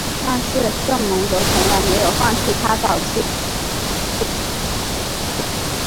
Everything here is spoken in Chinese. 但是瑟蒙德从来没有放弃他早期的关于种族隔离的观点。